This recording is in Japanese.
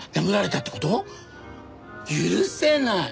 許せない！